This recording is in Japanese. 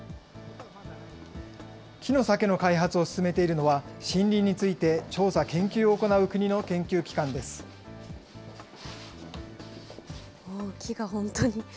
木の酒の開発を進めているのは、森林について調査・研究を行う国木が本当に。